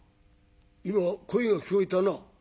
今声が聞こえたな。